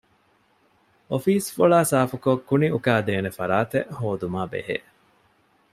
އޮފީސް ފޮޅާ ސާފުކޮށް ކުނިއުކާދޭނެ ފަރާތެއް ހޯދުމާބެހޭ